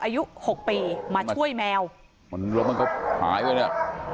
อายุ๖ปีมาช่วยแมวเหลือมันก็หายไปแล้วนะครับ